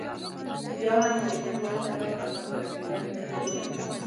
بیا هم د هند ویسرا هغه په رسمیت ونه پېژانده.